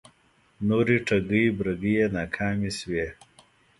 نورې ټگۍ برگۍ یې ناکامې شوې